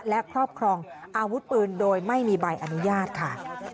และครอบครองอาวุธปืนโดยไม่มีใบอนุญาตค่ะ